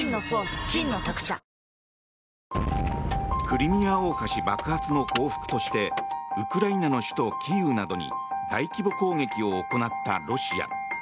クリミア大橋爆発の報復としてウクライナの首都キーウなどに大規模攻撃を行ったロシア。